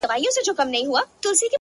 o سترگه وره مي په پت باندي پوهېږي؛